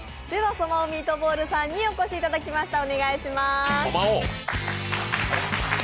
そのソマオ・ミートボールさんにお越しいただきました。